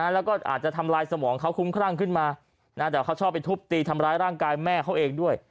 แล้วก็อาจจะทำลายสมองเขาคุ้มครั่งขึ้นมาแต่เขาชอบไปทุบตีทำร้ายร่างกายแม่เขาเองด้วย